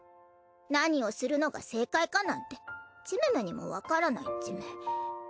何をするのが正解かなんてチムムにもわからないチム。